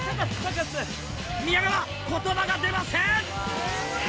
宮川言葉が出ません！